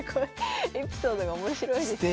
エピソードが面白いですね。